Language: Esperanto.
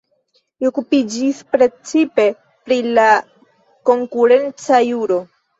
Li okupiĝis precipe pri la konkurenca juro.